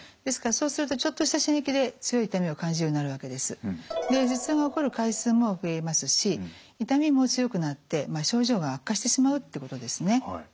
鎮痛薬トリプタンもそうですけども頭痛が起こる回数も増えますし痛みも強くなって症状が悪化してしまうってことですね。